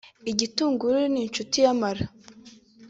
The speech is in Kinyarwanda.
Igitunguru ni inshuti y’amara